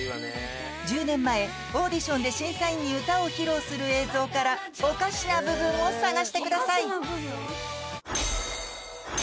１０年前オーディションで審査員に歌を披露する映像からおかしな部分を探してください